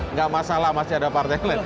nggak masalah masih ada partai klip